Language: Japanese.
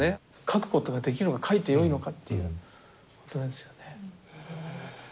描くことができるが描いてよいのかっていうことなんですよね。